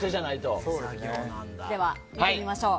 では、見てみましょう。